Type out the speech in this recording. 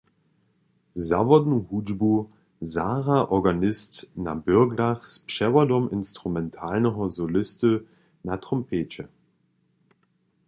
Zawodnu hudźbu zahra organist na byrglach z přewodom instrumentalneho solisty na trompeće.